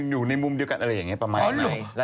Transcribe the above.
อยู่ในมุมเดียวกันอะไรอย่างนี้ต้องใช่ไหม